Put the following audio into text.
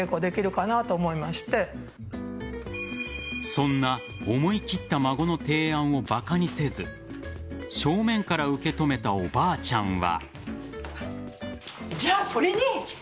そんな思い切った孫の提案をバカにせず正面から受け止めたおばあちゃんは。